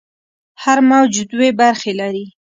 هر موج دوې برخې لري.